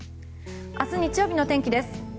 明日日曜日の天気です。